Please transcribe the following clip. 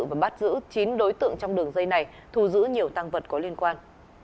và bắt giữ chín đối tượng trong đường dây này thu giữ nhiều tăng vật có liên quan